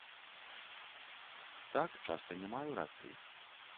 Так, часта не маю рацыі.